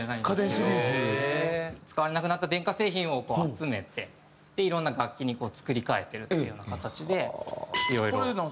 家電シリーズ。使われなくなった電化製品を集めていろんな楽器にこう作り変えてるっていうような形でいろいろ。